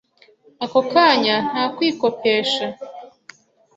ako kanya nta kwikopesha